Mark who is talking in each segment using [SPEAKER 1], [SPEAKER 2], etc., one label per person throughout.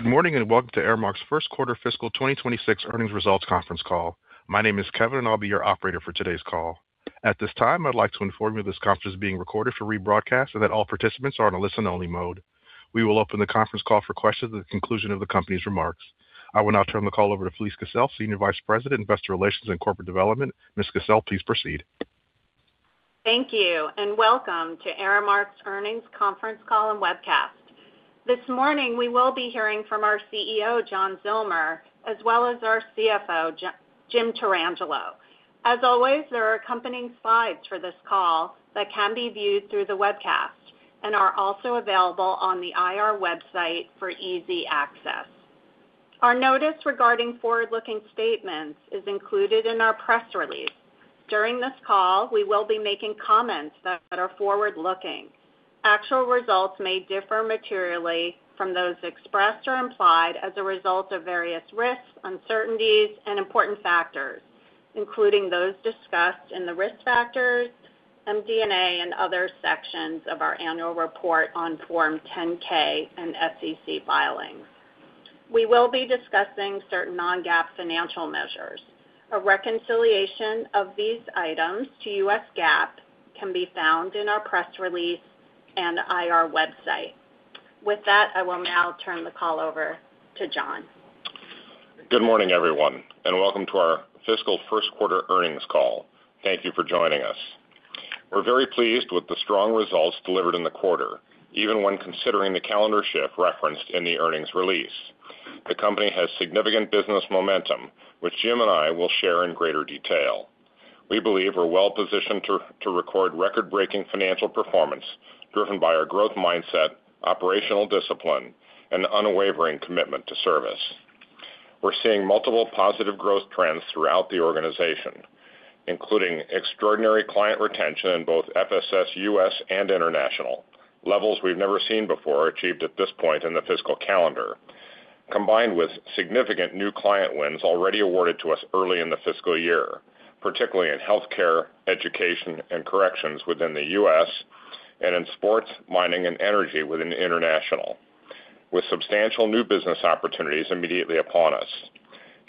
[SPEAKER 1] Good morning, and welcome to Aramark's Q1 Fiscal 2026 Earnings Results Conference Call. My name is Kevin, and I'll be your operator for today's call. At this time, I'd like to inform you that this conference is being recorded for rebroadcast and that all participants are in a listen-only mode. We will open the conference call for questions at the conclusion of the company's remarks. I will now turn the call over to Felise Kissell, Senior Vice President, Investor Relations and Corporate Development. Ms. Kissell, please proceed.
[SPEAKER 2] Thank you, and welcome to Aramark's Earnings Conference Call and Webcast. This morning, we will be hearing from our CEO, John Zillmer, as well as our CFO, Jim Tarangelo. As always, there are accompanying slides for this call that can be viewed through the webcast and are also available on the IR website for easy access. Our notice regarding forward-looking statements is included in our press release. During this call, we will be making comments that are forward-looking. Actual results may differ materially from those expressed or implied as a result of various risks, uncertainties, and important factors, including those discussed in the Risk Factors, MD&A, and other sections of our annual report on Form 10-K and SEC filings. We will be discussing certain non-GAAP financial measures. A reconciliation of these items to U.S. GAAP can be found in our press release and IR website. With that, I will now turn the call over to John.
[SPEAKER 3] Good morning, everyone, and welcome to our fiscal Q1 earnings call. Thank you for joining us. We're very pleased with the strong results delivered in the quarter, even when considering the calendar shift referenced in the earnings release. The company has significant business momentum, which Jim and I will share in greater detail. We believe we're well positioned to record record-breaking financial performance, driven by our growth mindset, operational discipline, and unwavering commitment to service. We're seeing multiple positive growth trends throughout the organization, including extraordinary client retention in both FSS U.S. and International, levels we've never seen before achieved at this point in the fiscal calendar, combined with significant new client wins already awarded to us early in the fiscal year, particularly in healthcare, education, and corrections within the U.S., and in sports, mining, and energy within international. With substantial new business opportunities immediately upon us,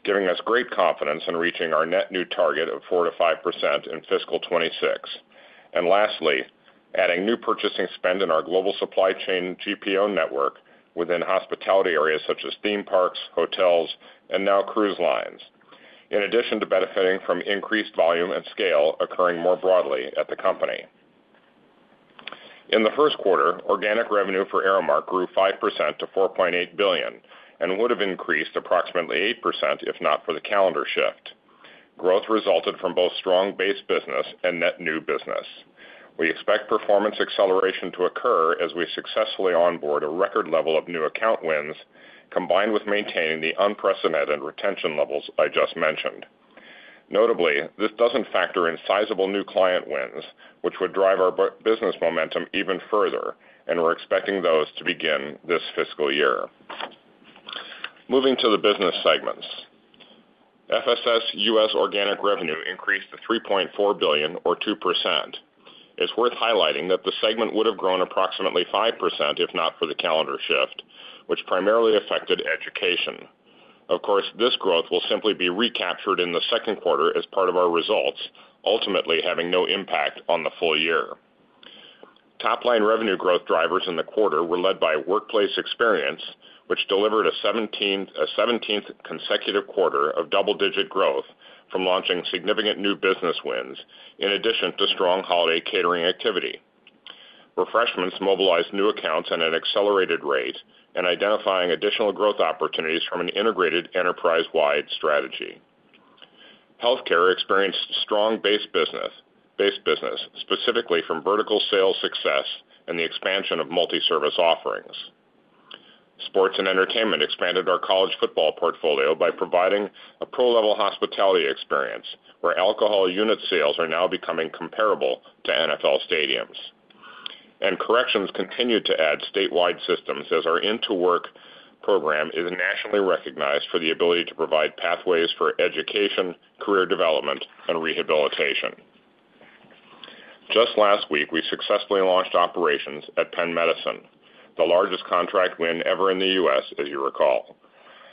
[SPEAKER 3] giving us great confidence in reaching our net new target of 4%-5% in fiscal 2026. And lastly, adding new purchasing spend in our global supply chain GPO network within hospitality areas such as theme parks, hotels, and now cruise lines, in addition to benefiting from increased volume and scale occurring more broadly at the company. In the Q1, organic revenue for Aramark grew 5% to $4.8 billion and would have increased approximately 8% if not for the calendar shift. Growth resulted from both strong base business and net new business. We expect performance acceleration to occur as we successfully onboard a record level of new account wins, combined with maintaining the unprecedented retention levels I just mentioned. Notably, this doesn't factor in sizable new client wins, which would drive our business momentum even further, and we're expecting those to begin this fiscal year. Moving to the business segments. FSS U.S. organic revenue increased to $3.4 billion or 2%. It's worth highlighting that the segment would have grown approximately 5% if not for the calendar shift, which primarily affected education. Of course, this growth will simply be recaptured in the Q2 as part of our results, ultimately having no impact on the full year. Top-line revenue growth drivers in the quarter were led by Workplace Experience, which delivered a 17th consecutive quarter of double-digit growth from launching significant new business wins, in addition to strong holiday catering activity. Refreshments mobilized new accounts at an accelerated rate and identifying additional growth opportunities from an integrated enterprise-wide strategy. Healthcare experienced strong base business, specifically from vertical sales success and the expansion of multi-service offerings. Sports & Entertainment expanded our college football portfolio by providing a pro-level hospitality experience, where alcohol unit sales are now becoming comparable to NFL stadiums. Corrections continued to add statewide systems as our IN2WORK program is nationally recognized for the ability to provide pathways for education, career development, and rehabilitation. Just last week, we successfully launched operations at Penn Medicine, the largest contract win ever in the U.S., as you recall.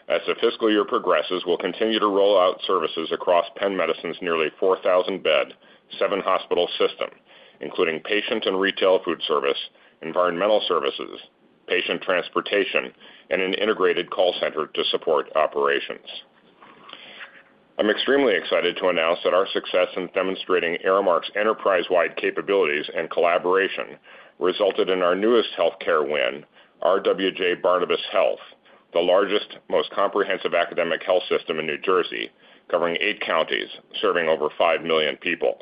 [SPEAKER 3] As the fiscal year progresses, we'll continue to roll out services across Penn Medicine's nearly 4,000-bed, seven-hospital system, including patient and retail food service, environmental services, patient transportation, and an integrated call center to support operations. I'm extremely excited to announce that our success in demonstrating Aramark's enterprise-wide capabilities and collaboration resulted in our newest healthcare win, RWJBarnabas Health, the largest, most comprehensive academic health system in New Jersey, covering eight counties, serving over five million people.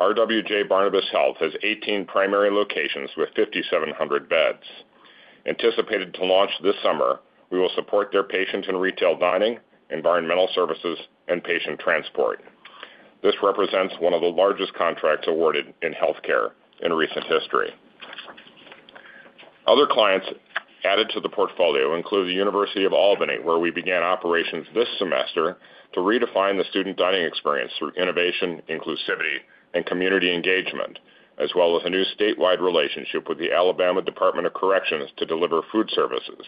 [SPEAKER 3] RWJBarnabas Health has 18 primary locations with 5,700 beds. Anticipated to launch this summer, we will support their patients in retail dining, environmental services, and patient transport. This represents one of the largest contracts awarded in healthcare in recent history. Other clients added to the portfolio include the University at Albany, where we began operations this semester to redefine the student dining experience through innovation, inclusivity, and community engagement, as well as a new statewide relationship with the Alabama Department of Corrections to deliver food services,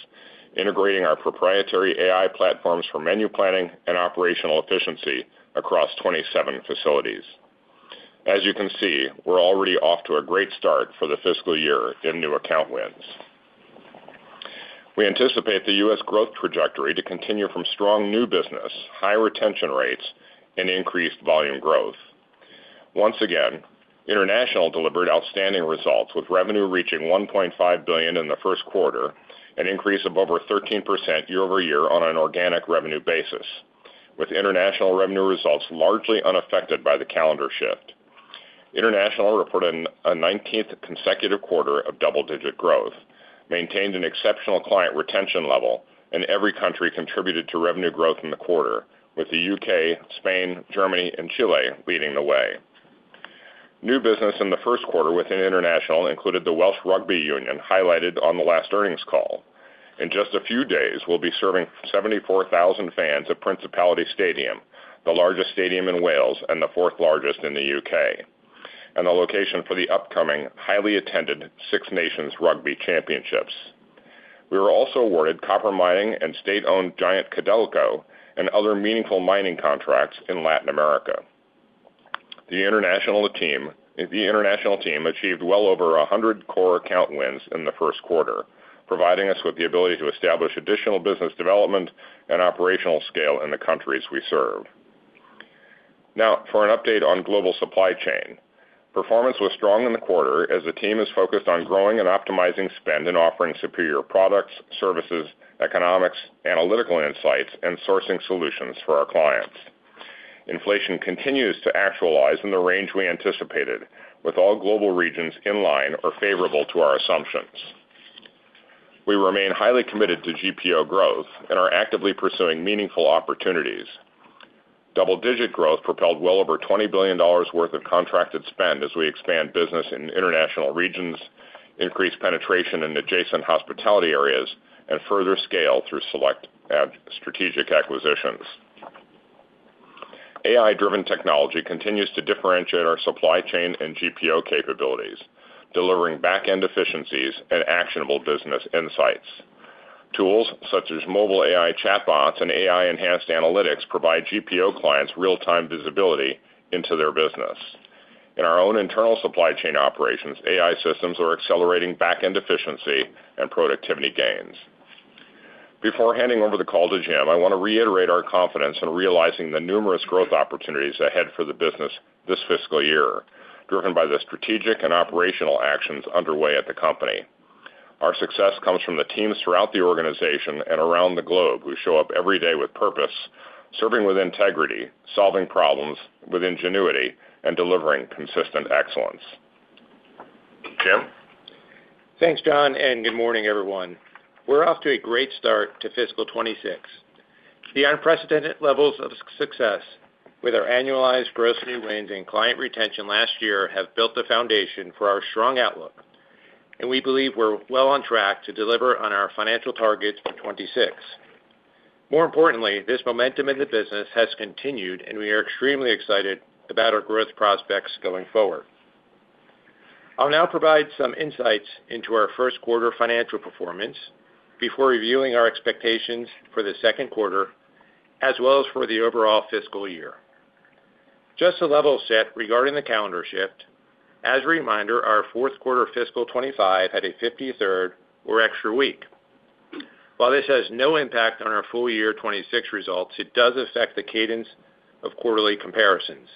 [SPEAKER 3] integrating our proprietary AI platforms for menu planning and operational efficiency across 27 facilities. As you can see, we're already off to a great start for the fiscal year in new account wins. We anticipate the U.S. growth trajectory to continue from strong new business, high retention rates, and increased volume growth. Once again, International delivered outstanding results, with revenue reaching $1.5 billion in the Q1, an increase of over 13% year-over-year on an organic revenue basis, with international revenue results largely unaffected by the calendar shift. International reported a 19th consecutive quarter of double-digit growth, maintained an exceptional client retention level, and every country contributed to revenue growth in the quarter, with the U.K., Spain, Germany, and Chile leading the way. New business in the Q1 within International included the Welsh Rugby Union, highlighted on the last earnings call. In just a few days, we'll be serving 74,000 fans at Principality Stadium, the largest stadium in Wales and the fourth largest in the U.K., and the location for the upcoming highly attended Six Nations Rugby Championships. We were also awarded copper mining and state-owned giant Codelco and other meaningful mining contracts in Latin America. The international team achieved well over 100 core account wins in the Q1, providing us with the ability to establish additional business development and operational scale in the countries we serve. Now, for an update on global supply chain. Performance was strong in the quarter as the team is focused on growing and optimizing spend and offering superior products, services, economics, analytical insights, and sourcing solutions for our clients. Inflation continues to actualize in the range we anticipated, with all global regions in line or favorable to our assumptions. We remain highly committed to GPO growth and are actively pursuing meaningful opportunities. Double-digit growth propelled well over $20 billion worth of contracted spend as we expand business in international regions, increase penetration in adjacent hospitality areas, and further scale through select and strategic acquisitions. AI-driven technology continues to differentiate our supply chain and GPO capabilities, delivering back-end efficiencies and actionable business insights. Tools such as mobile AI chatbots and AI-enhanced analytics provide GPO clients real-time visibility into their business. In our own internal supply chain operations, AI systems are accelerating back-end efficiency and productivity gains. Before handing over the call to Jim, I want to reiterate our confidence in realizing the numerous growth opportunities ahead for the business this fiscal year, driven by the strategic and operational actions underway at the company. Our success comes from the teams throughout the organization and around the globe who show up every day with purpose, serving with integrity, solving problems with ingenuity, and delivering consistent excellence. Jim?
[SPEAKER 4] Thanks, John, and good morning, everyone. We're off to a great start to fiscal 2026. The unprecedented levels of success with our annualized gross new wins and client retention last year have built the foundation for our strong outlook, and we believe we're well on track to deliver on our financial targets for 2026. More importantly, this momentum in the business has continued, and we are extremely excited about our growth prospects going forward. I'll now provide some insights into our Q1 financial performance before reviewing our expectations for the Q2, as well as for the overall fiscal year. Just to level set regarding the calendar shift, as a reminder, our Q4 fiscal 2025 had a 53rd or extra week. While this has no impact on our full year 2026 results, it does affect the cadence of quarterly comparisons.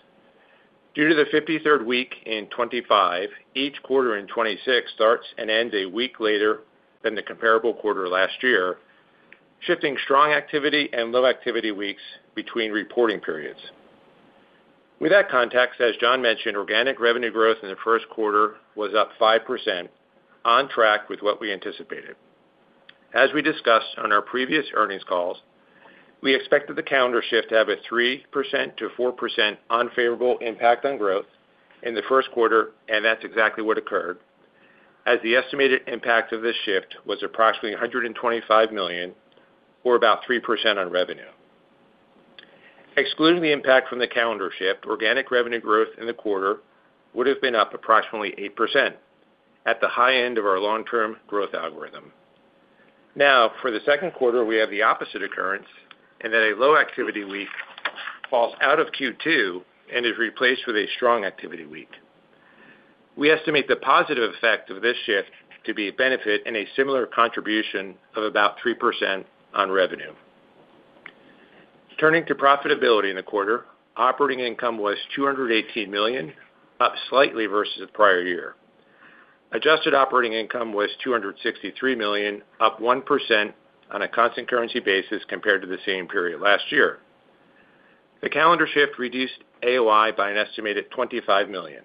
[SPEAKER 4] Due to the 53rd week in 2025, each quarter in 2026 starts and ends a week later than the comparable quarter last year, shifting strong activity and low activity weeks between reporting periods. With that context, as John mentioned, organic revenue growth in the Q1 was up 5%, on track with what we anticipated. As we discussed on our previous earnings calls, we expected the calendar shift to have a 3%-4% unfavorable impact on growth in the Q1, and that's exactly what occurred, as the estimated impact of this shift was approximately $125 million, or about 3% on revenue. Excluding the impact from the calendar shift, organic revenue growth in the quarter would have been up approximately 8%, at the high end of our long-term growth algorithm. Now, for the Q2, we have the opposite occurrence, and that a low activity week falls out of Q2 and is replaced with a strong activity week. We estimate the positive effect of this shift to be a benefit and a similar contribution of about 3% on revenue. Turning to profitability in the quarter, operating income was $218 million, up slightly versus the prior year. Adjusted Operating Income was $263 million, up 1% on a constant currency basis compared to the same period last year. The calendar shift reduced AOI by an estimated $25 million.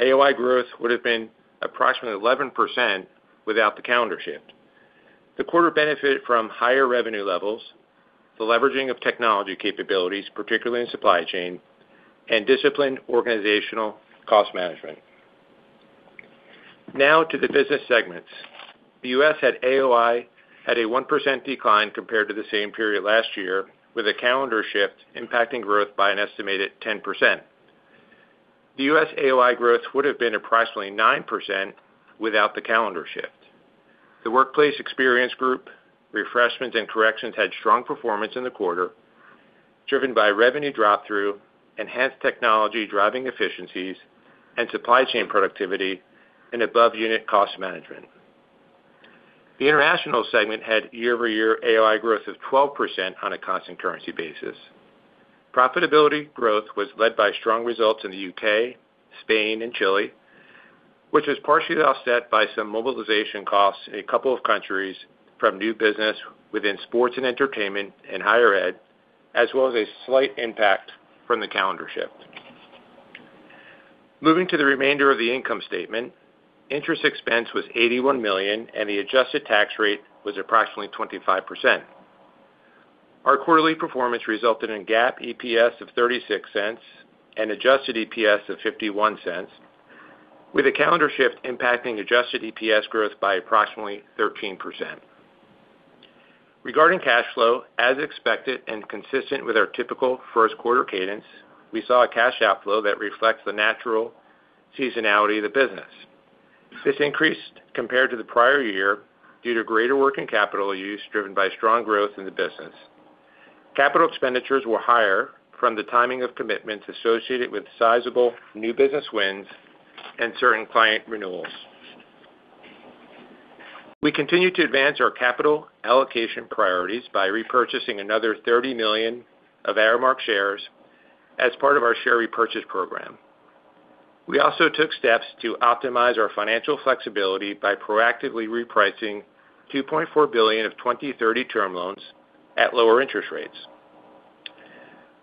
[SPEAKER 4] AOI growth would have been approximately 11% without the calendar shift. The quarter benefited from higher revenue levels, the leveraging of technology capabilities, particularly in supply chain, and disciplined organizational cost management. Now to the business segments. The U.S. AOI had a 1% decline compared to the same period last year, with a calendar shift impacting growth by an estimated 10%. The U.S. AOI growth would have been approximately 9% without the calendar shift. The Workplace Experience group, refreshments and corrections, had strong performance in the quarter, driven by revenue drop-through, enhanced technology, driving efficiencies and supply chain productivity, and above unit cost management. The international segment had year-over-year AOI growth of 12% on a constant currency basis. Profitability growth was led by strong results in the U.K., Spain, and Chile, which was partially offset by some mobilization costs in a couple of countries from new business within sports and entertainment and higher ed, as well as a slight impact from the calendar shift. Moving to the remainder of the income statement, interest expense was $81 million, and the adjusted tax rate was approximately 25%. Our quarterly performance resulted in GAAP EPS of $0.36 and adjusted EPS of $0.51, with a calendar shift impacting adjusted EPS growth by approximately 13%. Regarding cash flow, as expected and consistent with our typical Q1 cadence, we saw a cash outflow that reflects the natural seasonality of the business. This increased compared to the prior year due to greater working capital use, driven by strong growth in the business. Capital expenditures were higher from the timing of commitments associated with sizable new business wins and certain client renewals. We continue to advance our capital allocation priorities by repurchasing another 30 million of Aramark shares as part of our share repurchase program. We also took steps to optimize our financial flexibility by proactively repricing $2.4 billion of 2030 term loans at lower interest rates.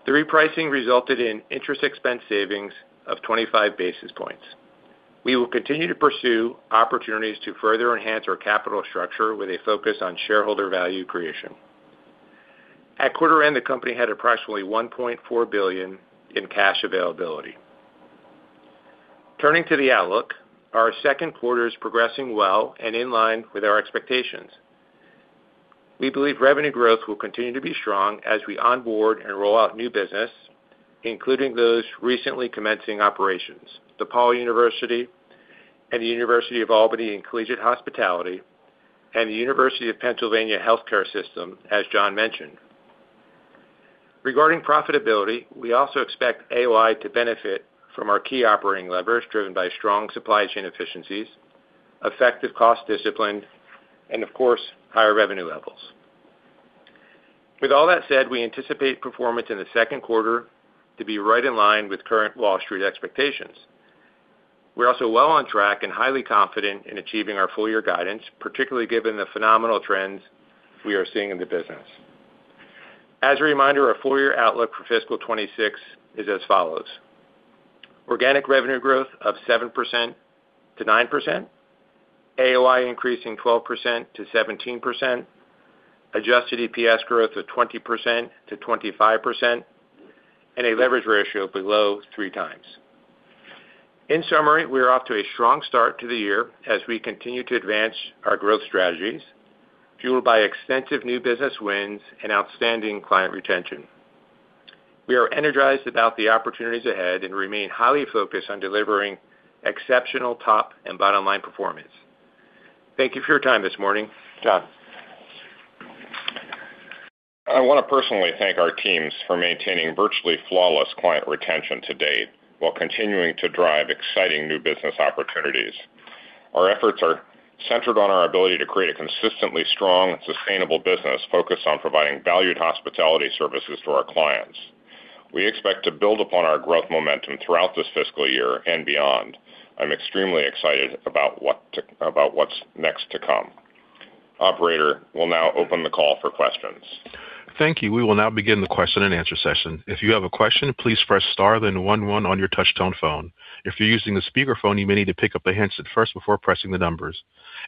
[SPEAKER 4] The repricing resulted in interest expense savings of 25 basis points. We will continue to pursue opportunities to further enhance our capital structure with a focus on shareholder value creation. At quarter end, the company had approximately $1.4 billion in cash availability. Turning to the outlook, our Q2 is progressing well and in line with our expectations. We believe revenue growth will continue to be strong as we onboard and roll out new business, including those recently commencing operations: DePaul University and the University at Albany in Collegiate Hospitality, and the University of Pennsylvania Health System, as John mentioned. Regarding profitability, we also expect AOI to benefit from our key operating levers, driven by strong supply chain efficiencies, effective cost discipline, and of course, higher revenue levels. With all that said, we anticipate performance in the Q2 to be right in line with current Wall Street expectations. We're also well on track and highly confident in achieving our full year guidance, particularly given the phenomenal trends we are seeing in the business. As a reminder, our full year outlook for fiscal 2026 is as follows: organic revenue growth of 7%-9%, AOI increasing 12%-17%, adjusted EPS growth of 20%-25%, and a leverage ratio below 3x. In summary, we are off to a strong start to the year as we continue to advance our growth strategies, fueled by extensive new business wins and outstanding client retention. We are energized about the opportunities ahead and remain highly focused on delivering exceptional top and bottom line performance. Thank you for your time this morning. John?
[SPEAKER 3] I want to personally thank our teams for maintaining virtually flawless client retention to date while continuing to drive exciting new business opportunities. Our efforts are centered on our ability to create a consistently strong and sustainable business focused on providing valued hospitality services to our clients. We expect to build upon our growth momentum throughout this fiscal year and beyond. I'm extremely excited about what's next to come. Operator, we'll now open the call for questions.
[SPEAKER 1] Thank you. We will now begin the question and answer session. If you have a question, please press star, then one, one on your touch tone phone. If you're using a speakerphone, you may need to pick up the handset first before pressing the numbers.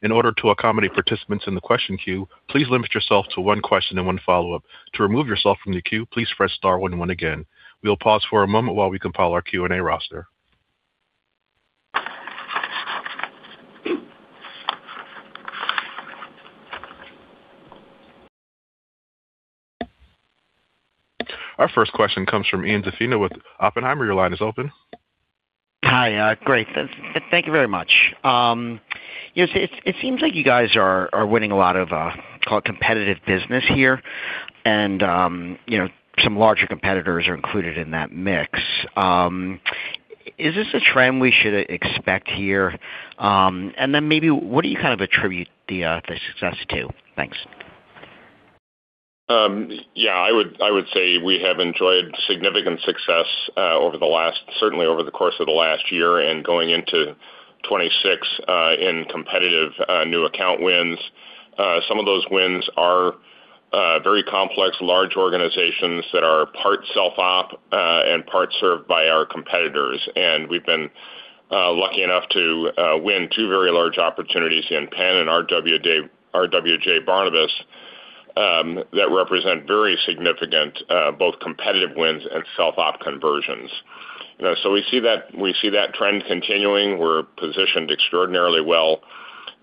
[SPEAKER 1] In order to accommodate participants in the question queue, please limit yourself to one question and one follow-up. To remove yourself from the queue, please press star one, one again. We'll pause for a moment while we compile our Q&A roster. Our first question comes from Ian Zaffino with Oppenheimer. Your line is open.
[SPEAKER 5] Hi. Great. Thank you very much. You know, it seems like you guys are winning a lot of, call it competitive business here, and you know, some larger competitors are included in that mix. Is this a trend we should expect here? And then maybe what do you kind of attribute the success to? Thanks.
[SPEAKER 3] Yeah, I would say we have enjoyed significant success, certainly over the course of the last year and going into 2026, in competitive new account wins. Some of those wins are very complex, large organizations that are part self-op and part served by our competitors. And we've been lucky enough to win two very large opportunities in Penn and RWJ, RWJBarnabas, that represent very significant both competitive wins and self-op conversions. So we see that trend continuing. We're positioned extraordinarily well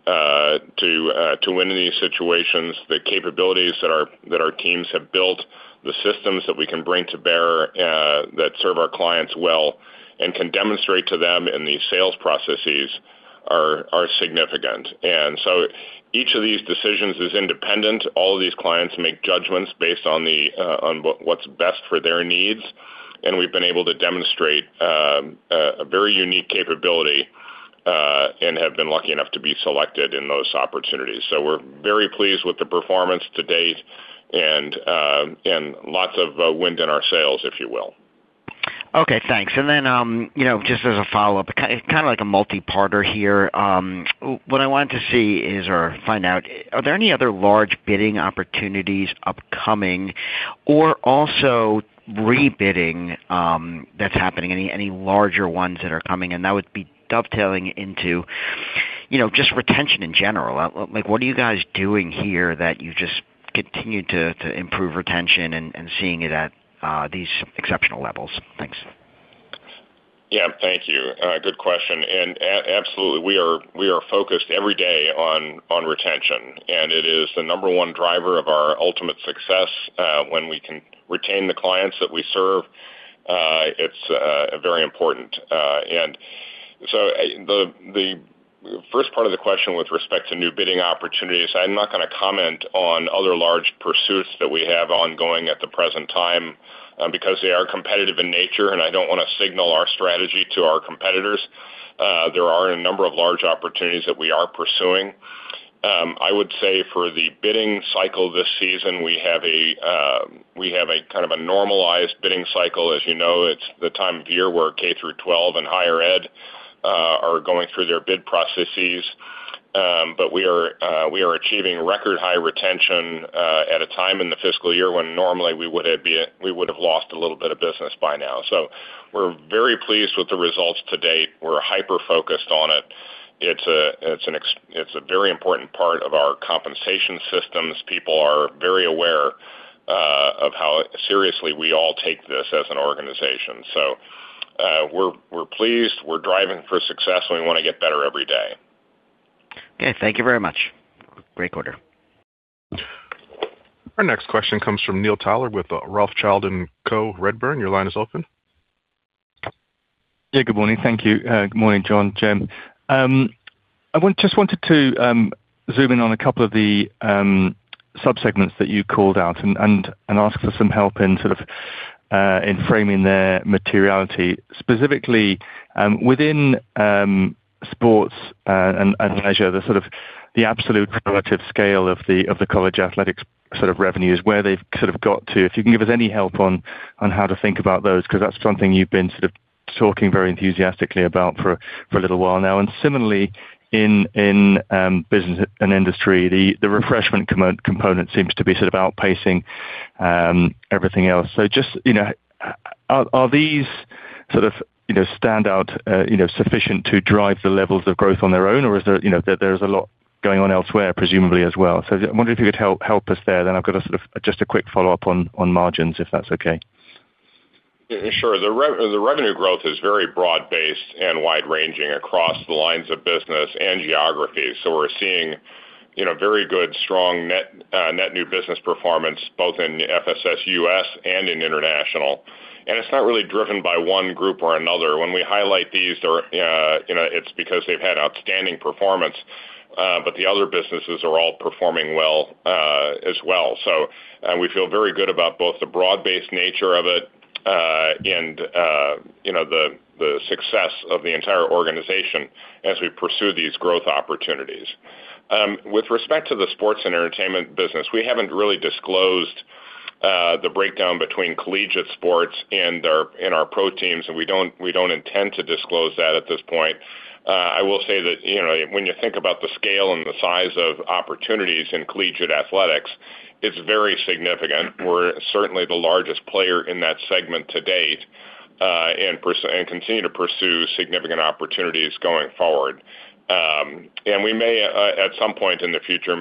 [SPEAKER 3] to win in these situations. The capabilities that our teams have built, the systems that we can bring to bear that serve our clients well and can demonstrate to them in these sales processes are significant. Each of these decisions is independent. All of these clients make judgments based on what's best for their needs, and we've been able to demonstrate a very unique capability and have been lucky enough to be selected in those opportunities. We're very pleased with the performance to date and lots of wind in our sails, if you will.
[SPEAKER 5] Okay, thanks. And then, you know, just as a follow-up, kind of like a multi-parter here. What I wanted to see is, or find out, are there any other large bidding opportunities upcoming or also rebidding that's happening? Any, any larger ones that are coming in? And that would be dovetailing into, you know, just retention in general. Like, what are you guys doing here that you've just continued to improve retention and seeing it at these exceptional levels? Thanks.
[SPEAKER 3] Yeah, thank you. Good question, and absolutely, we are focused every day on retention, and it is the number one driver of our ultimate success, when we can retain the clients that we serve, it's very important. And so the first part of the question with respect to new bidding opportunities, I'm not gonna comment on other large pursuits that we have ongoing at the present time, because they are competitive in nature, and I don't wanna signal our strategy to our competitors. There are a number of large opportunities that we are pursuing. I would say for the bidding cycle this season, we have a kind of a normalized bidding cycle. As you know, it's the time of year where K-12 and higher ed are going through their bid processes. But we are achieving record high retention at a time in the fiscal year when normally we would have lost a little bit of business by now. So we're very pleased with the results to date. We're hyper-focused on it. It's a very important part of our compensation systems. People are very aware of how seriously we all take this as an organization. So, we're pleased, we're driving for success, and we wanna get better every day.
[SPEAKER 5] Okay, thank you very much. Great quarter.
[SPEAKER 1] Our next question comes from Neil Tyler with Rothschild & Co Redburn. Your line is open.
[SPEAKER 6] Yeah, good morning. Thank you. Good morning, John, Jim. I just wanted to zoom in on a couple of the subsegments that you called out and ask for some help in sort of in framing their materiality. Specifically, within sports and leisure, the sort of the absolute relative scale of the college athletics sort of revenues, where they've sort of got to. If you can give us any help on how to think about those, 'cause that's something you've been sort of talking very enthusiastically about for a little while now. And similarly, in business and industry, the refreshment component seems to be sort of outpacing everything else. So just, you know, are these sort of, you know, stand out sufficient to drive the levels of growth on their own, or is there, you know, there's a lot going on elsewhere, presumably as well? So I wonder if you could help us there, then I've got a sort of just a quick follow-up on margins, if that's okay.
[SPEAKER 3] Sure. The revenue growth is very broad-based and wide-ranging across the lines of business and geography. So we're seeing, you know, very good, strong net new business performance, both in FSS US and in international. And it's not really driven by one group or another. When we highlight these, they're, you know, it's because they've had outstanding performance, but the other businesses are all performing well, as well. So, we feel very good about both the broad-based nature of it, and, you know, the success of the entire organization as we pursue these growth opportunities. With respect to the sports and entertainment business, we haven't really disclosed the breakdown between collegiate sports and our pro teams, and we don't intend to disclose that at this point. I will say that, you know, when you think about the scale and the size of opportunities in collegiate athletics, it's very significant. We're certainly the largest player in that segment to date, and continue to pursue significant opportunities going forward. We may, at some point in the future,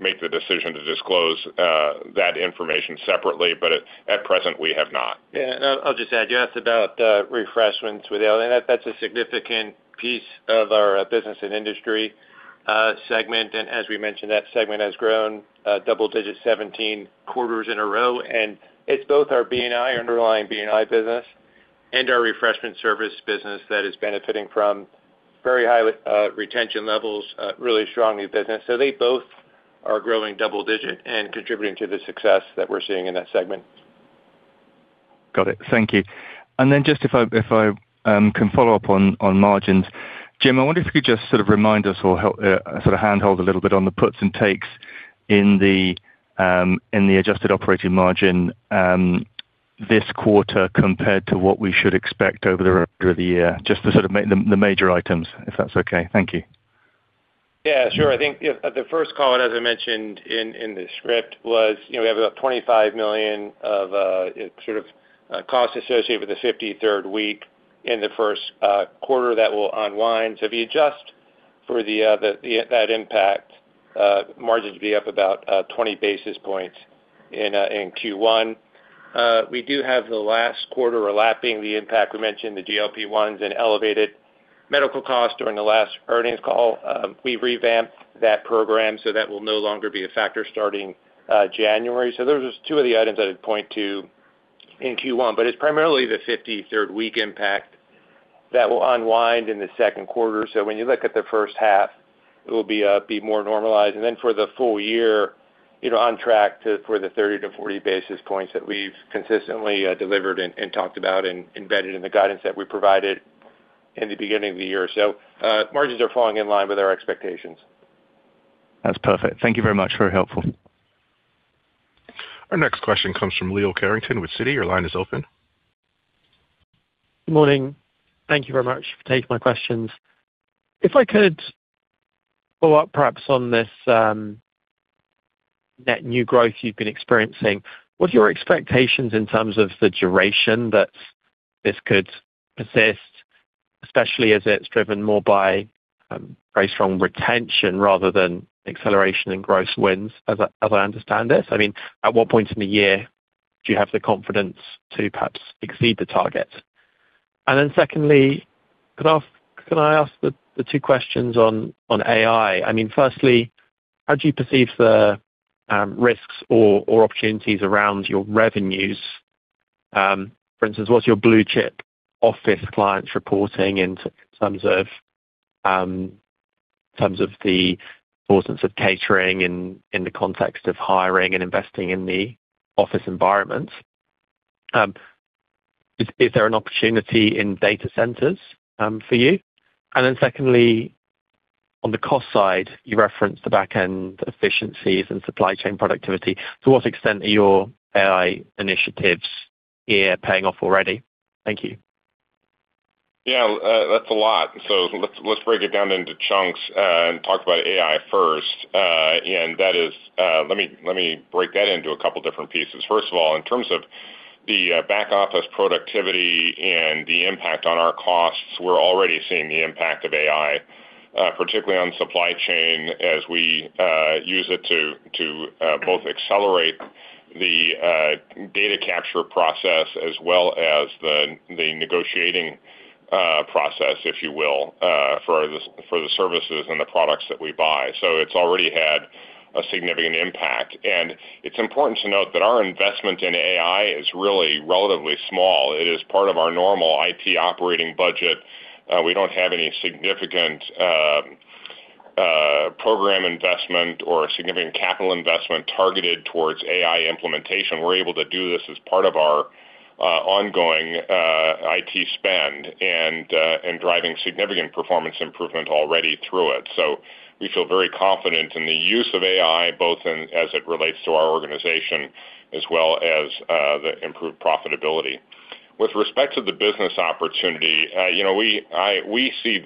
[SPEAKER 3] make the decision to disclose that information separately, but at present, we have not.
[SPEAKER 4] Yeah, I'll just add, you asked about refreshments within, and that, that's a significant piece of our business and industry segment. And as we mentioned, that segment has grown double digits 17 quarters in a row, and it's both our B&I, underlying B&I business and our refreshment service business that is benefiting from very high retention levels, really strong new business. So they both are growing double digit and contributing to the success that we're seeing in that segment.
[SPEAKER 6] Got it. Thank you. And then just if I can follow up on margins. Jim, I wonder if you could just sort of remind us or help sort of handhold a little bit on the puts and takes in the adjusted operating margin this quarter compared to what we should expect over the remainder of the year. Just to sort of make the major items, if that's okay. Thank you....
[SPEAKER 4] Yeah, sure. I think, you know, the first call, and as I mentioned in the script, was, you know, we have about $25 million of sort of costs associated with the fifty-third week in the Q1 that will unwind. So if you adjust for the impact, margins will be up about 20 basis points in Q1. We do have the last quarter relapsing the impact. We mentioned the GLP-1s and elevated medical costs during the last earnings call. We revamped that program, so that will no longer be a factor starting January. So those are two of the items I would point to in Q1, but it's primarily the fifty-third week impact that will unwind in the Q2. So when you look at the first half, it will be more normalized. Then for the full year, you know, on track for the 30-40 basis points that we've consistently delivered and talked about and embedded in the guidance that we provided in the beginning of the year. So, margins are falling in line with our expectations.
[SPEAKER 6] That's perfect. Thank you very much. Very helpful.
[SPEAKER 1] Our next question comes from Leo Carrington with Citi. Your line is open.
[SPEAKER 7] Good morning. Thank you very much for taking my questions. If I could follow up, perhaps, on this net new growth you've been experiencing, what's your expectations in terms of the duration that this could persist, especially as it's driven more by very strong retention rather than acceleration in gross wins, as I understand it? I mean, at what point in the year do you have the confidence to perhaps exceed the target? And then secondly, can I ask the two questions on AI? I mean, firstly, how do you perceive the risks or opportunities around your revenues? For instance, what's your blue chip office clients reporting in terms of the importance of catering in the context of hiring and investing in the office environment? Is there an opportunity in data centers for you? And then secondly, on the cost side, you referenced the back-end efficiencies and supply chain productivity. To what extent are your AI initiatives here paying off already? Thank you.
[SPEAKER 3] Yeah, that's a lot. So let's break it down into chunks and talk about AI first. And that is, let me break that into a couple different pieces. First of all, in terms of the back-office productivity and the impact on our costs, we're already seeing the impact of AI, particularly on supply chain, as we use it to both accelerate the data capture process as well as the negotiating process, if you will, for the services and the products that we buy. So it's already had a significant impact. And it's important to note that our investment in AI is really relatively small. It is part of our normal IT operating budget. We don't have any significant program investment or significant capital investment targeted towards AI implementation. We're able to do this as part of our ongoing IT spend and driving significant performance improvement already through it. So we feel very confident in the use of AI, both in as it relates to our organization as well as the improved profitability. With respect to the business opportunity, you know, we see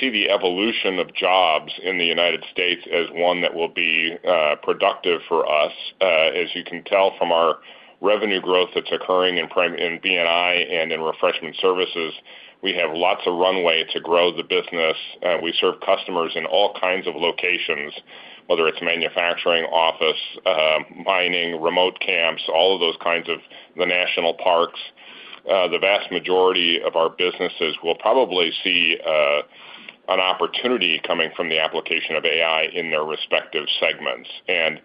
[SPEAKER 3] the evolution of jobs in the United States as one that will be productive for us. As you can tell from our revenue growth that's occurring in B&I and in Refreshment Services, we have lots of runway to grow the business. We serve customers in all kinds of locations, whether it's manufacturing, office, mining, remote camps, all of those kinds of the national parks. The vast majority of our businesses will probably see an opportunity coming from the application of AI in their respective segments. And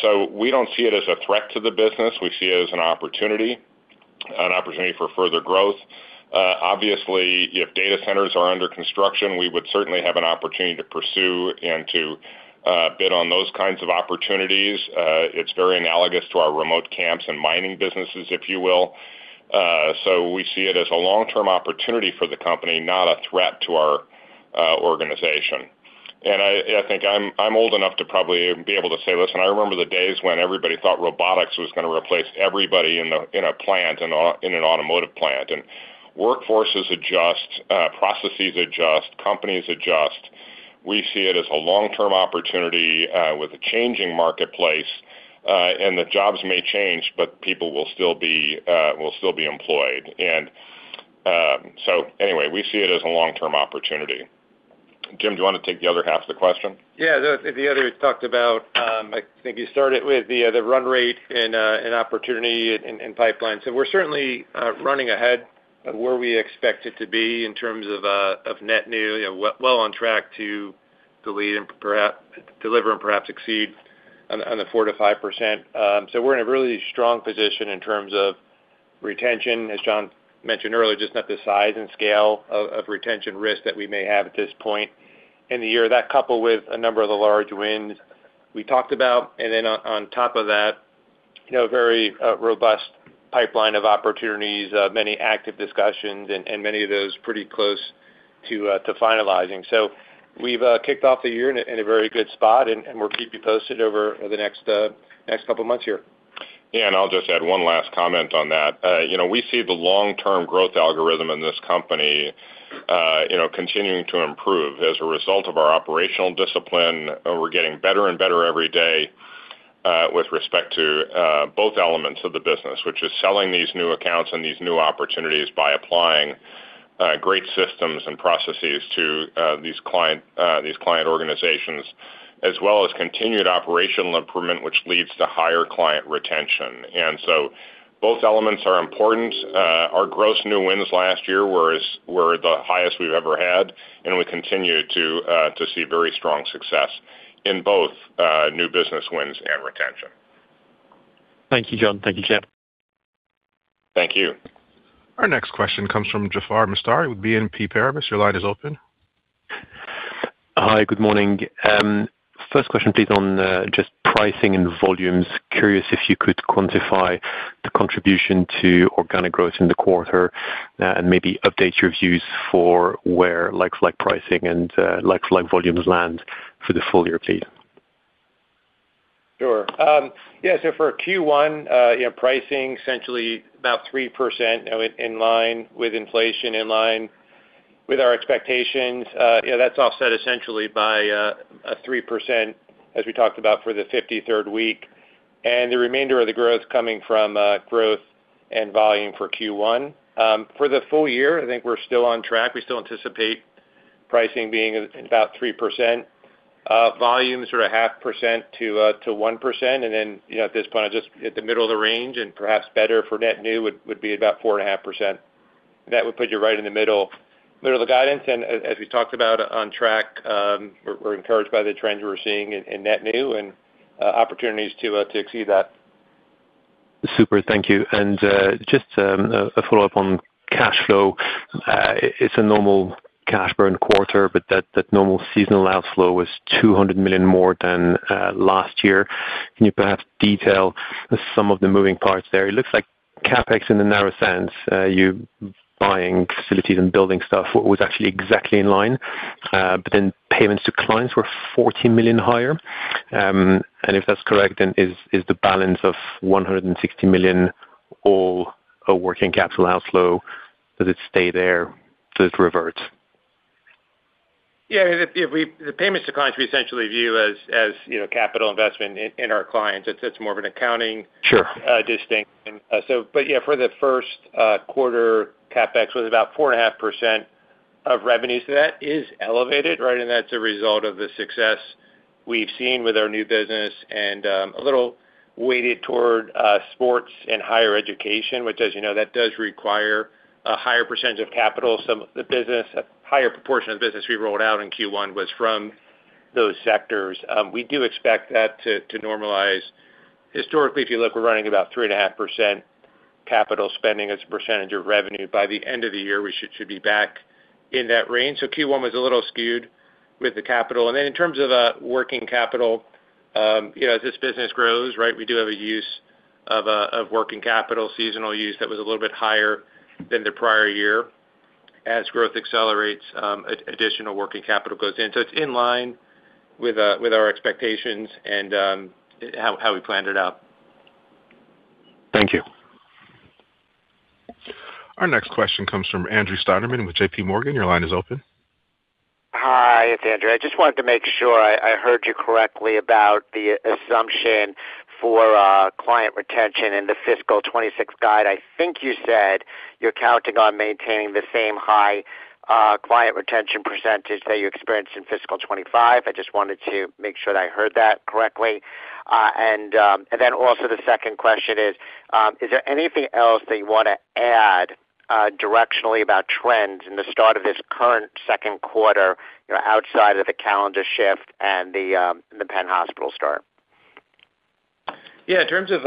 [SPEAKER 3] so we don't see it as a threat to the business. We see it as an opportunity, an opportunity for further growth. Obviously, if data centers are under construction, we would certainly have an opportunity to pursue and to bid on those kinds of opportunities. It's very analogous to our remote camps and mining businesses, if you will. So we see it as a long-term opportunity for the company, not a threat to our organization. And I think I'm old enough to probably be able to say this, and I remember the days when everybody thought robotics was gonna replace everybody in a plant, in an automotive plant. Workforces adjust, processes adjust, companies adjust. We see it as a long-term opportunity, with a changing marketplace, and the jobs may change, but people will still be employed. So anyway, we see it as a long-term opportunity. Jim, do you want to take the other half of the question?
[SPEAKER 4] Yeah, the other you talked about. I think you started with the run rate and opportunity and pipeline. So we're certainly running ahead of where we expect it to be in terms of net new, you know, well on track to deliver and perhaps exceed on the 4%-5%. So we're in a really strong position in terms of retention, as John mentioned earlier, just not the size and scale of retention risk that we may have at this point in the year. That coupled with a number of the large wins we talked about, and then on top of that, you know, very robust pipeline of opportunities, many active discussions and many of those pretty close to finalizing. We've kicked off the year in a very good spot, and we'll keep you posted over the next couple of months here....
[SPEAKER 3] Yeah, and I'll just add one last comment on that. You know, we see the long-term growth algorithm in this company, you know, continuing to improve. As a result of our operational discipline, we're getting better and better every day with respect to both elements of the business, which is selling these new accounts and these new opportunities by applying great systems and processes to these client, these client organizations, as well as continued operational improvement, which leads to higher client retention. And so both elements are important. Our gross new wins last year were the highest we've ever had, and we continue to see very strong success in both new business wins and retention.
[SPEAKER 7] Thank you, John. Thank you, Kent.
[SPEAKER 3] Thank you.
[SPEAKER 1] Our next question comes from Jaafar Mestari with BNP Paribas. Your line is open.
[SPEAKER 8] Hi, good morning. First question, please, on just pricing and volumes. Curious if you could quantify the contribution to organic growth in the quarter, and maybe update your views for where like-like pricing and like-like volumes land for the full year, please.
[SPEAKER 4] Sure. Yeah, so for Q1, you know, pricing essentially about 3%, you know, in line with inflation, in line with our expectations. Yeah, that's offset essentially by a 3%, as we talked about for the Fifty-third week, and the remainder of the growth coming from growth and volume for Q1. For the full year, I think we're still on track. We still anticipate pricing being about 3%. Volumes are 0.5%-1%, and then, you know, at this point, just at the middle of the range and perhaps better for net new would be about 4.5%. That would put you right in the middle of the guidance, and as we talked about, on track. We're encouraged by the trends we're seeing in net new and opportunities to exceed that.
[SPEAKER 8] Super. Thank you. And just a follow-up on cash flow. It's a normal cash burn quarter, but that normal seasonal outflow was $200 million more than last year. Can you perhaps detail some of the moving parts there? It looks like CapEx in the narrow sense, you buying facilities and building stuff was actually exactly in line, but then payments to clients were $14 million higher. And if that's correct, then is the balance of $160 million all a working capital outflow? Does it stay there? Does it revert?
[SPEAKER 4] Yeah, if we, the payments to clients, we essentially view as, you know, capital investment in our clients. It's more of an accounting-
[SPEAKER 8] Sure.
[SPEAKER 4] Distinction. So but yeah, for the Q1, CapEx was about 4.5% of revenues. So that is elevated, right? And that's a result of the success we've seen with our new business and a little weighted toward sports and higher education, which, as you know, that does require a higher percentage of capital. Some of the business, a higher proportion of the business we rolled out in Q1 was from those sectors. We do expect that to normalize. Historically, if you look, we're running about 3.5% capital spending as a percentage of revenue. By the end of the year, we should be back in that range. So Q1 was a little skewed with the capital. Then in terms of working capital, you know, as this business grows, right, we do have a use of working capital, seasonal use that was a little bit higher than the prior year. As growth accelerates, additional working capital goes in. So it's in line with our expectations and how we planned it out.
[SPEAKER 8] Thank you.
[SPEAKER 1] Our next question comes from Andrew Steinerman with JPMorgan. Your line is open.
[SPEAKER 9] Hi, it's Andrew. I just wanted to make sure I heard you correctly about the assumption for client retention in the fiscal 2026 guide. I think you said you're counting on maintaining the same high client retention percentage that you experienced in fiscal 2025. I just wanted to make sure that I heard that correctly. And then also the second question is, is there anything else that you want to add directionally about trends in the start of this current Q2, you know, outside of the calendar shift and the Penn Hospital start?
[SPEAKER 4] Yeah, in terms of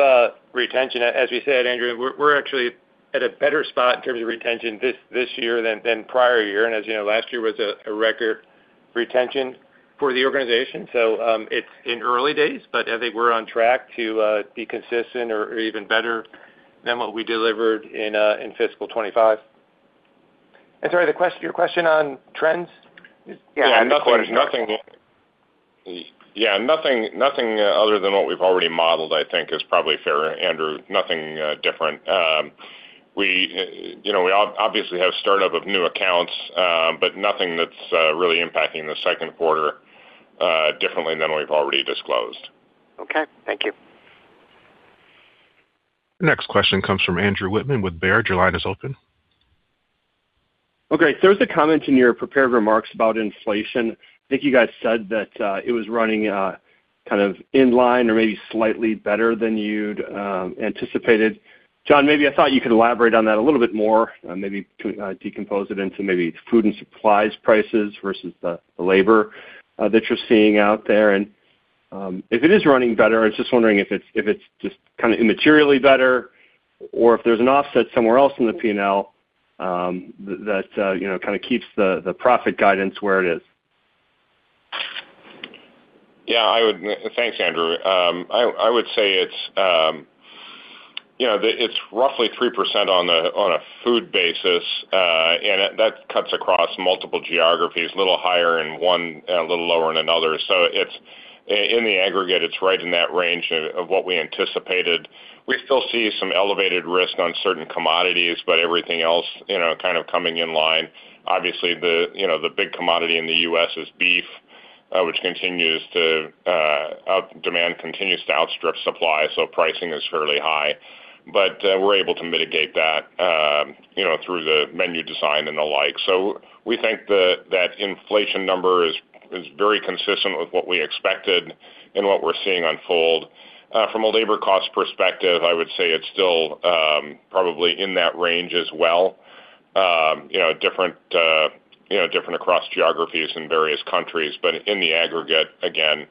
[SPEAKER 4] retention, as we said, Andrew, we're actually at a better spot in terms of retention this year than prior year. And as you know, last year was a record retention for the organization. So, it's in early days, but I think we're on track to be consistent or even better than what we delivered in fiscal 2025. And sorry, your question on trends?
[SPEAKER 3] Yeah. Nothing other than what we've already modeled, I think is probably fair, Andrew. Nothing different. We, you know, obviously have startup of new accounts, but nothing that's really impacting the Q2 differently than we've already disclosed.
[SPEAKER 9] Okay. Thank you.
[SPEAKER 1] Next question comes from Andrew Wittmann with Baird. Your line is open.
[SPEAKER 10] Okay. So there was a comment in your prepared remarks about inflation. I think you guys said that, it was running, kind of in line or maybe slightly better than you'd anticipated. John, maybe I thought you could elaborate on that a little bit more, maybe to, decompose it into maybe food and supplies prices versus the, the labor, that you're seeing out there. And, if it is running better, I was just wondering if it's, if it's just kind of immaterially better or if there's an offset somewhere else in the P&L, that, you know, kind of keeps the, the profit guidance where it is.
[SPEAKER 3] Yeah, I would, thanks, Andrew. I would say it's, you know, it's roughly 3% on a food basis, and that cuts across multiple geographies, a little higher in one and a little lower in another. So it's in the aggregate, it's right in that range of what we anticipated. We still see some elevated risk on certain commodities, but everything else, you know, kind of coming in line. Obviously, you know, the big commodity in the U.S. is beef, which continues to, demand continues to outstrip supply, so pricing is fairly high. But, we're able to mitigate that, you know, through the menu design and the like. So we think that inflation number is very consistent with what we expected and what we're seeing unfold. From a labor cost perspective, I would say it's still, probably in that range as well. You know, different, you know, different across geographies in various countries, but in the aggregate, again,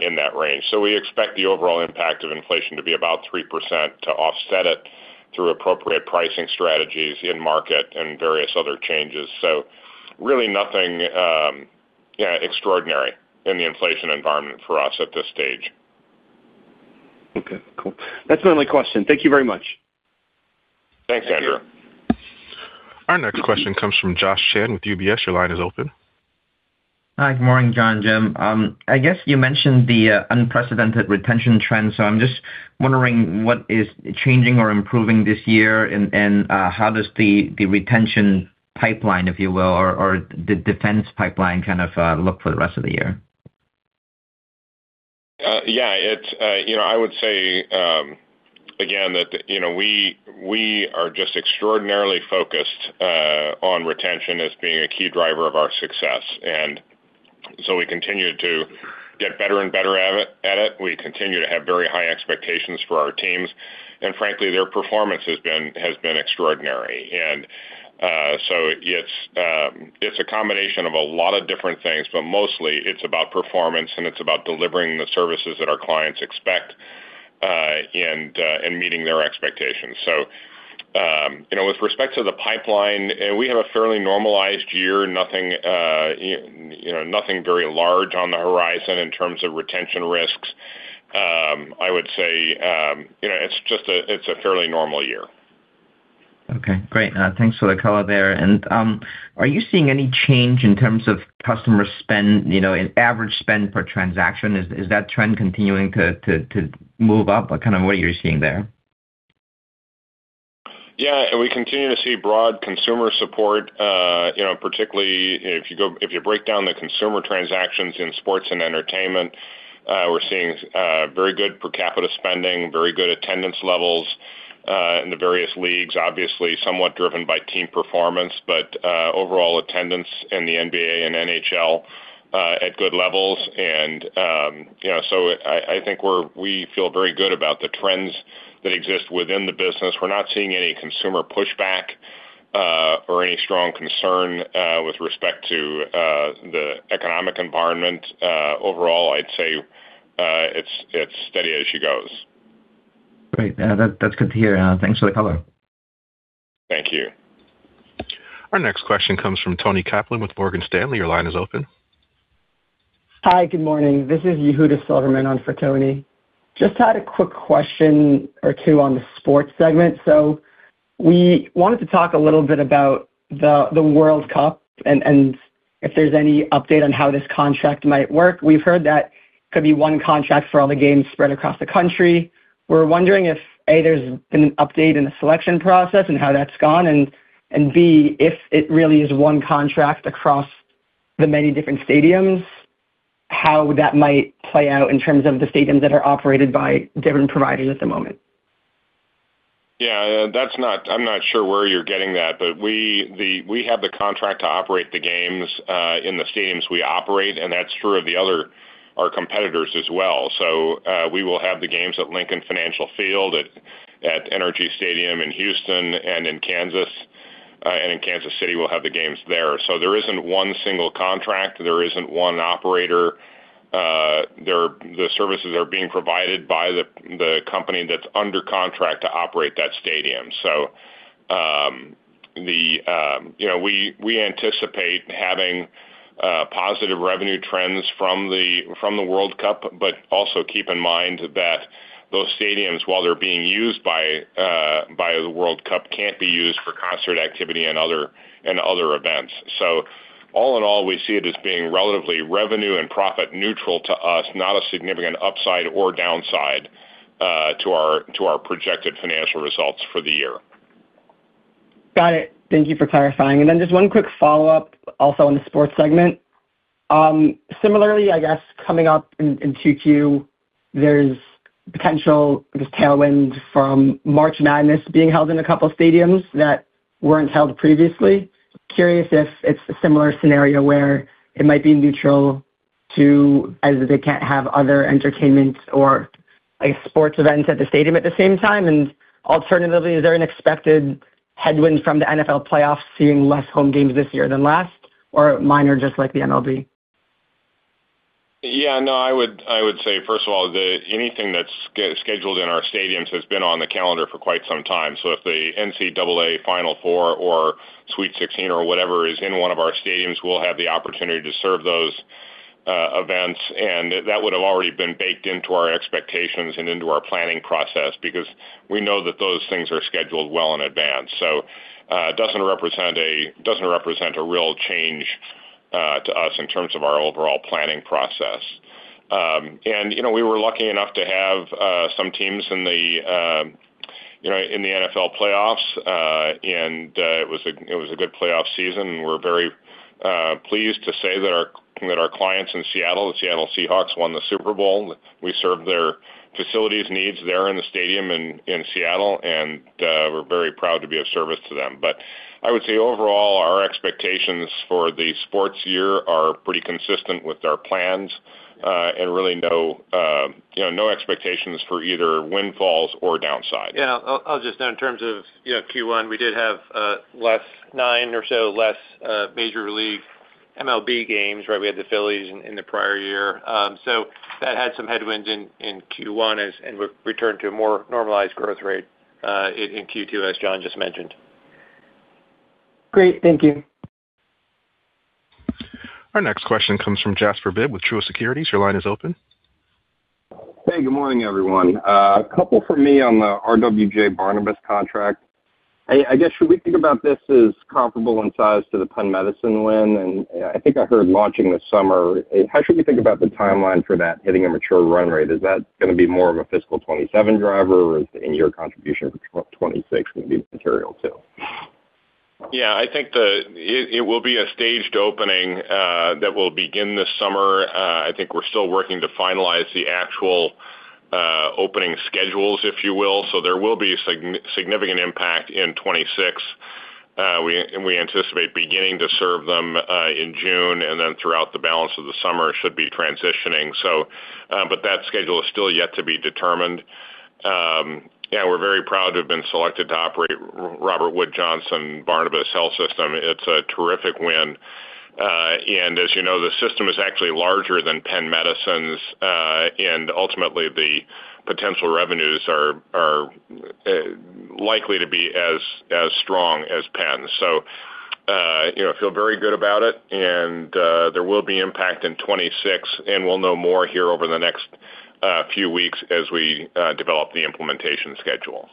[SPEAKER 3] in that range. So we expect the overall impact of inflation to be about 3%, to offset it through appropriate pricing strategies in market and various other changes. So really nothing, extraordinary in the inflation environment for us at this stage.
[SPEAKER 10] Okay, cool. That's my only question. Thank you very much.
[SPEAKER 3] Thanks, Andrew.
[SPEAKER 1] Our next question comes from Joshua Chan with UBS. Your line is open.
[SPEAKER 11] Hi, good morning, John and Jim. I guess you mentioned the unprecedented retention trend, so I'm just wondering what is changing or improving this year, and how does the retention pipeline, if you will, or the defense pipeline kind of look for the rest of the year?
[SPEAKER 3] Yeah, it's, you know, I would say, again, that, you know, we, we are just extraordinarily focused, on retention as being a key driver of our success, and so we continue to get better and better at it, at it. We continue to have very high expectations for our teams, and frankly, their performance has been, has been extraordinary. And, so it's, it's a combination of a lot of different things, but mostly it's about performance, and it's about delivering the services that our clients expect, and, and meeting their expectations. So, you know, with respect to the pipeline, we have a fairly normalized year, nothing, you know, nothing very large on the horizon in terms of retention risks. I would say, you know, it's just a, it's a fairly normal year.
[SPEAKER 11] Okay, great. Thanks for the color there. And, are you seeing any change in terms of customer spend, you know, in average spend per transaction? Is that trend continuing to move up, or kind of what you're seeing there?
[SPEAKER 3] Yeah, we continue to see broad consumer support, you know, particularly if you break down the consumer transactions in sports and entertainment, we're seeing very good per capita spending, very good attendance levels in the various leagues, obviously somewhat driven by team performance, but overall attendance in the NBA and NHL at good levels. And you know, so I think we feel very good about the trends that exist within the business. We're not seeing any consumer pushback or any strong concern with respect to the economic environment. Overall, I'd say it's steady as she goes.
[SPEAKER 11] Great. That's good to hear. Thanks for the color.
[SPEAKER 3] Thank you.
[SPEAKER 1] Our next question comes from Toni Kaplan with Morgan Stanley. Your line is open.
[SPEAKER 12] Hi, good morning. This is Yehuda Silverman on for Toni. Just had a quick question or two on the sports segment. So we wanted to talk a little bit about the, the World Cup and, and if there's any update on how this contract might work. We've heard that could be one contract for all the games spread across the country. We're wondering if, A, there's been an update in the selection process and how that's gone, and, and B, if it really is one contract across the many different stadiums, how that might play out in terms of the stadiums that are operated by different providers at the moment.
[SPEAKER 3] Yeah, that's not. I'm not sure where you're getting that, but we have the contract to operate the games in the stadiums we operate, and that's true of the other, our competitors as well. So, we will have the games at Lincoln Financial Field, at NRG Stadium in Houston and in Kansas City, we'll have the games there. So there isn't one single contract. There isn't one operator. The services are being provided by the company that's under contract to operate that stadium. So, you know, we anticipate having positive revenue trends from the World Cup, but also keep in mind that those stadiums, while they're being used by the World Cup, can't be used for concert activity and other events. All in all, we see it as being relatively revenue and profit neutral to us, not a significant upside or downside, to our projected financial results for the year.
[SPEAKER 12] Got it. Thank you for clarifying. And then just one quick follow-up also on the sports segment. Similarly, I guess, coming up in Q2, there's potential this tailwind from March Madness being held in a couple of stadiums that weren't held previously. Curious if it's a similar scenario where it might be neutral to, as they can't have other entertainment or, like, sports events at the stadium at the same time? And alternatively, is there an expected headwind from the NFL playoffs seeing less home games this year than last, or minor, just like the MLB?
[SPEAKER 3] Yeah, no, I would, I would say, first of all, anything that's scheduled in our stadiums has been on the calendar for quite some time. So if the NCAA Final Four or Sweet Sixteen or whatever is in one of our stadiums, we'll have the opportunity to serve those events, and that would have already been baked into our expectations and into our planning process, because we know that those things are scheduled well in advance. So, it doesn't represent a real change to us in terms of our overall planning process. And, you know, we were lucky enough to have some teams in the NFL playoffs, and it was a good playoff season, and we're very pleased to say that our clients in Seattle, the Seattle Seahawks, won the Super Bowl. We served their facilities needs there in the stadium in Seattle, and we're very proud to be of service to them. But I would say overall, our expectations for the sports year are pretty consistent with our plans, and really no expectations for either windfalls or downside.
[SPEAKER 4] Yeah, I'll just add, in terms of, you know, Q1, we did have less nine or so Major League MLB games, right? We had the Phillies in the prior year. So that had some headwinds in Q1, and we returned to a more normalized growth rate in Q2, as John just mentioned.
[SPEAKER 12] Great. Thank you.
[SPEAKER 1] Our next question comes from Jasper Bibb with Truist Securities. Your line is open.
[SPEAKER 13] Hey, good morning, everyone. A couple from me on the RWJBarnabas contract. I guess, should we think about this as comparable in size to the Penn Medicine win? And I think I heard launching this summer. How should we think about the timeline for that hitting a mature run rate? Is that gonna be more of a fiscal 2027 driver, or is the annual contribution for 2026 gonna be material, too?
[SPEAKER 3] Yeah, I think it will be a staged opening that will begin this summer. I think we're still working to finalize the actual opening schedules, if you will. So there will be significant impact in 2026. We anticipate beginning to serve them in June, and then throughout the balance of the summer, should be transitioning. But that schedule is still yet to be determined. Yeah, we're very proud to have been selected to operate RWJBarnabas Health. It's a terrific win. And as you know, the system is actually larger than Penn Medicine's, and ultimately, the potential revenues are likely to be as strong as Penn. So, you know, feel very good about it, and there will be impact in 2026, and we'll know more here over the next few weeks as we develop the implementation schedule.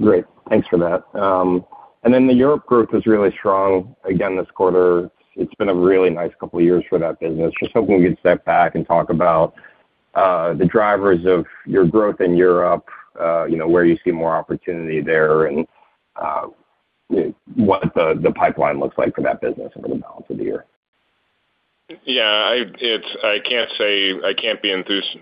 [SPEAKER 13] Great. Thanks for that. And then the Europe growth is really strong again this quarter. It's been a really nice couple of years for that business. Just hoping we could step back and talk about, the drivers of your growth in Europe, you know, where you see more opportunity there, and, what the pipeline looks like for that business over the balance of the year.
[SPEAKER 3] Yeah, I can't say I can't be enthusiastic.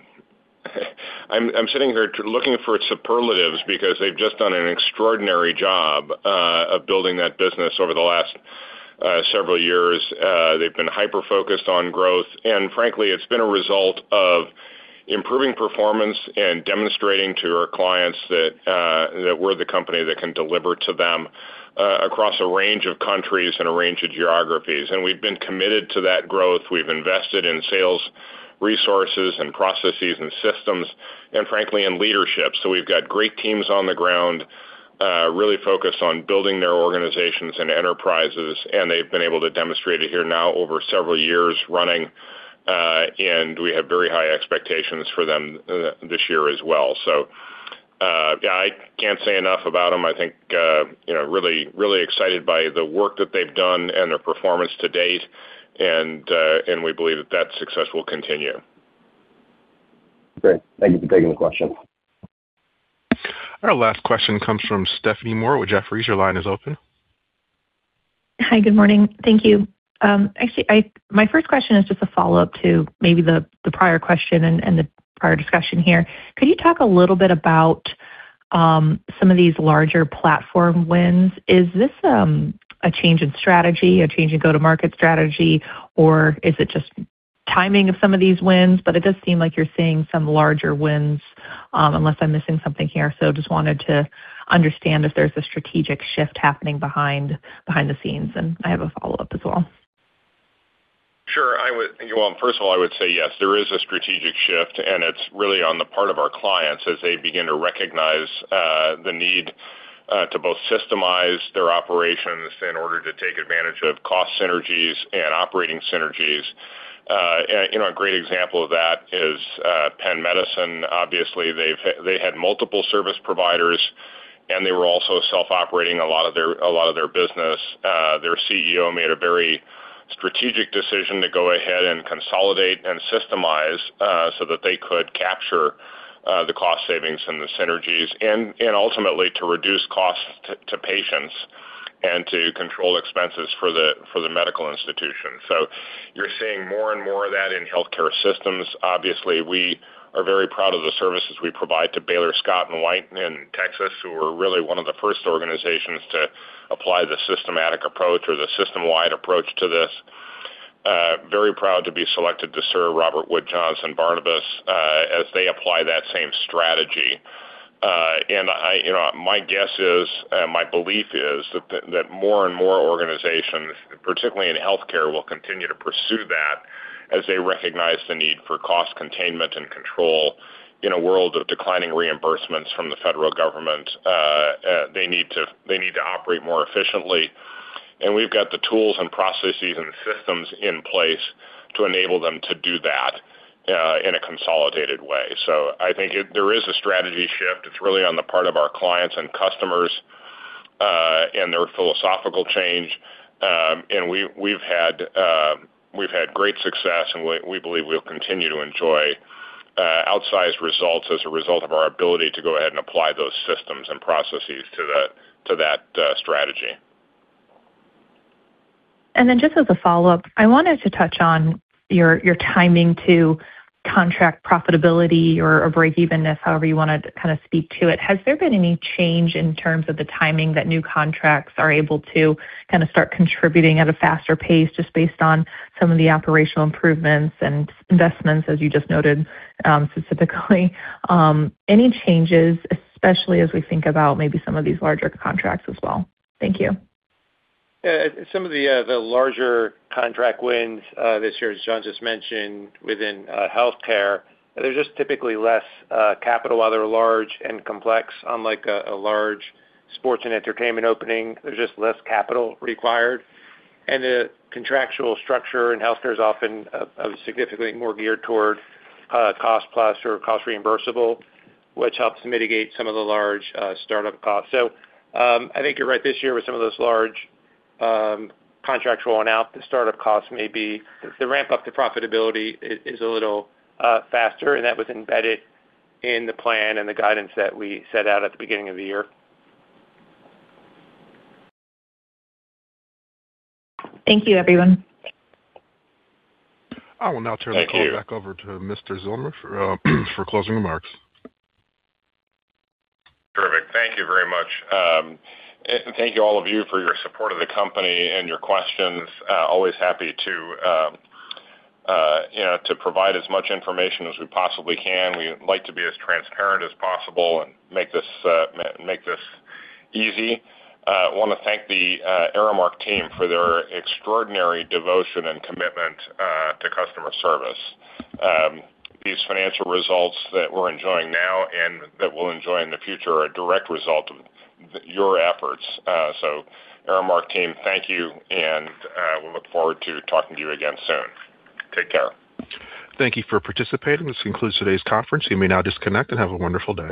[SPEAKER 3] I'm sitting here looking for superlatives because they've just done an extraordinary job of building that business over the last several years. They've been hyper-focused on growth, and frankly, it's been a result of improving performance and demonstrating to our clients that we're the company that can deliver to them across a range of countries and a range of geographies. We've been committed to that growth. We've invested in sales, resources, processes and systems, and frankly, in leadership. So we've got great teams on the ground really focused on building their organizations and enterprises, and they've been able to demonstrate it here now over several years running, and we have very high expectations for them this year as well. So, I can't say enough about them. I think, you know, really, really excited by the work that they've done and their performance to date, and we believe that success will continue.
[SPEAKER 13] Great. Thank you for taking the question.
[SPEAKER 1] Our last question comes from Stephanie Moore with Jefferies. Your line is open.
[SPEAKER 14] Hi, good morning. Thank you. Actually, my first question is just a follow-up to maybe the prior question and the prior discussion here. Could you talk a little bit about some of these larger platform wins? Is this a change in strategy, a change in go-to-market strategy, or is it just timing of some of these wins? But it does seem like you're seeing some larger wins, unless I'm missing something here. So just wanted to understand if there's a strategic shift happening behind the scenes, and I have a follow-up as well.
[SPEAKER 3] Sure. Well, first of all, I would say, yes, there is a strategic shift, and it's really on the part of our clients as they begin to recognize the need to both systemize their operations in order to take advantage of cost synergies and operating synergies. And you know, a great example of that is Penn Medicine. Obviously, they've, they had multiple service providers, and they were also self-operating a lot of their, a lot of their business. Their CEO made a very strategic decision to go ahead and consolidate and systemize, so that they could capture the cost savings and the synergies, and ultimately to reduce costs to patients and to control expenses for the medical institution. So you're seeing more and more of that in healthcare systems. Obviously, we are very proud of the services we provide to Baylor Scott & White in Texas, who are really one of the first organizations to apply the systematic approach or the system-wide approach to this. Very proud to be selected to serve Robert Wood Johnson Barnabas as they apply that same strategy. You know, my guess is, and my belief is that that more and more organizations, particularly in healthcare, will continue to pursue that as they recognize the need for cost containment and control. In a world of declining reimbursements from the federal government, they need to, they need to operate more efficiently. And we've got the tools and processes and systems in place to enable them to do that in a consolidated way. So I think there is a strategy shift. It's really on the part of our clients and customers, and their philosophical change. We've had great success, and we believe we'll continue to enjoy outsized results as a result of our ability to go ahead and apply those systems and processes to that strategy.
[SPEAKER 14] And then just as a follow-up, I wanted to touch on your, your timing to contract profitability or, or breakevenness, however you wanna kind of speak to it. Has there been any change in terms of the timing that new contracts are able to kinda start contributing at a faster pace, just based on some of the operational improvements and investments, as you just noted, specifically? Any changes, especially as we think about maybe some of these larger contracts as well? Thank you.
[SPEAKER 4] Yeah, some of the larger contract wins this year, as John just mentioned, within healthcare, they're just typically less capital. While they're large and complex, unlike a large sports and entertainment opening, there's just less capital required. And the contractual structure in healthcare is often significantly more geared toward cost-plus or cost-reimbursable, which helps mitigate some of the large startup costs. So, I think you're right. This year, with some of those large contracts rolling out, the startup costs may be... The ramp-up to profitability is a little faster, and that was embedded in the plan and the guidance that we set out at the beginning of the year.
[SPEAKER 14] Thank you, everyone.
[SPEAKER 3] Thank you.
[SPEAKER 1] I will now turn the call back over to Mr. Zillmer for closing remarks.
[SPEAKER 3] Terrific. Thank you very much. And thank you, all of you, for your support of the company and your questions. Always happy to, you know, to provide as much information as we possibly can. We like to be as transparent as possible and make this easy. I wanna thank the Aramark team for their extraordinary devotion and commitment to customer service. These financial results that we're enjoying now and that we'll enjoy in the future are a direct result of your efforts. Aramark team, thank you, and we look forward to talking to you again soon. Take care.
[SPEAKER 1] Thank you for participating. This concludes today's conference. You may now disconnect and have a wonderful day.